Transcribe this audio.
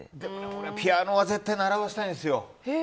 俺、ピアノは絶対習わせたいんですよ。